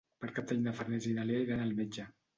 Per Cap d'Any na Farners i na Lea iran al metge.